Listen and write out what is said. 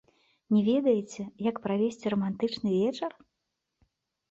Не ведаеце, як правесці рамантычны вечар?